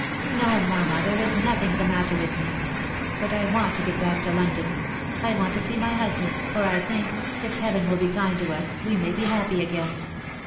" No, mamma, there is nothing the matter with me. But I want to get back to London. I want to see my husband, for I think, if Heaven will be kind to us, we may be happy again.